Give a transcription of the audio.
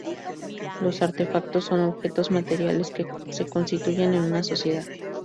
Los artefactos son objetos materiales que se constituyen en una sociedad.